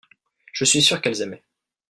je suis sûr qu'elles aimaient.